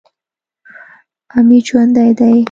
امیر ژوندی دی.